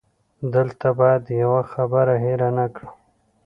دلته باید یوه خبره هېره نه کړم.